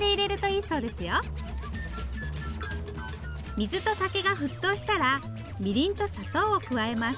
水と酒が沸騰したらみりんと砂糖を加えます。